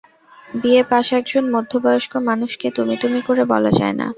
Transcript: B A pass একজন মধ্যবয়স্ক মানুষকে তুমি-তুমি করে বলা যায় না।